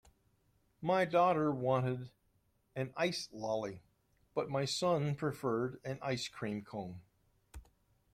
My daughter wanted an ice lolly, but my son preferred an ice cream cone